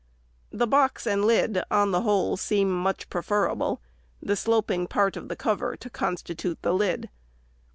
The bo"x and lid, on the whole, seem much preferable, the sloping part of the cover to constitute the lid.